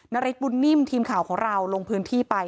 ฤทธบุญนิ่มทีมข่าวของเราลงพื้นที่ไป